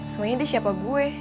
namanya deh siapa gue